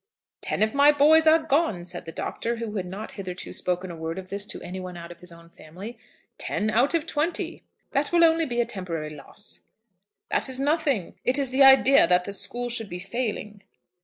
"Ten of my boys are gone!" said the Doctor, who had not hitherto spoken a word of this to any one out of his own family; "ten out of twenty." "That will only be a temporary loss." "That is nothing, nothing. It is the idea that the school should be failing."